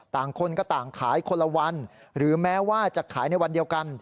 คนก็ต่างขายคนละวันหรือแม้ว่าจะขายในวันเดียวกัน